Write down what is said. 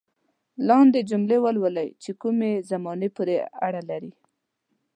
لاندې جملې ولولئ چې کومې زمانې پورې اړه لري.